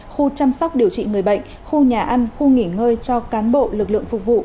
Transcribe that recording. khu chăm sóc điều trị người bệnh khu nhà ăn khu nghỉ ngơi cho cán bộ lực lượng phục vụ